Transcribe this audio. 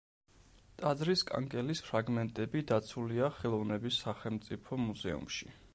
ტაძრის კანკელის ფრაგმენტები დაცულია ხელოვნების სახელმწიფო მუზეუმში.